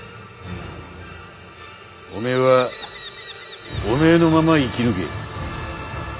おめえはおめえのまま生き抜け。